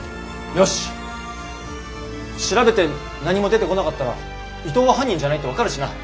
よし調べて何も出てこなかったら伊藤は犯人じゃないって分かるしな。